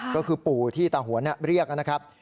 ก็คือปู่ที่ตาหวนเรียกนะครับ